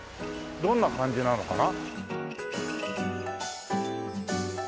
どんな感じなのかな？